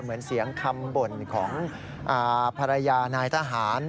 เหมือนเสียงคำบ่นของภรรยานายทหาร